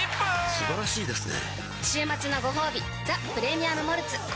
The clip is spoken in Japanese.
素晴らしいですね・